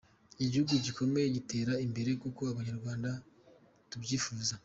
Igihugu gikomere, gitere imbere nkuko Abanyarwanda tubyifuza.